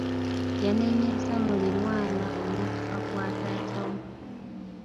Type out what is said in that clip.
Yanenyezza muliraanwa olw'okufa kwa taata we.